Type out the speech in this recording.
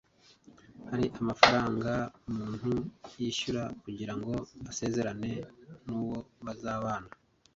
hari amafaranga umuntu yishyura kugira ngo asezerane n'uwo bazabana